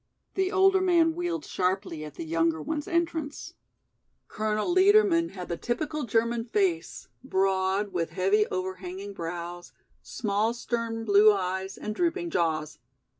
The older man wheeled sharply at the younger one's entrance. Colonel Liedermann had the typical German face, broad, with heavy, overhanging brows, small, stern blue eyes, and drooping jaws.